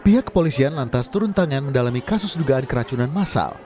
pihak kepolisian lantas turun tangan mendalami kasus dugaan keracunan masal